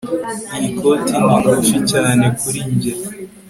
Iyi koti ni ngufi cyane kuri njye